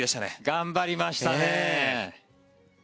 頑張りましたね。